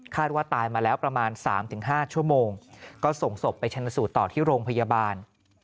ว่าตายมาแล้วประมาณ๓๕ชั่วโมงก็ส่งศพไปชนสูตรต่อที่โรงพยาบาล